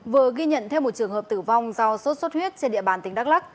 vừa ghi nhận thêm một trường hợp tử vong do sốt xuất huyết trên địa bàn tỉnh đắk lắc